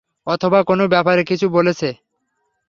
অথবা, কোনো ব্যাপারে কিছু বলেছে?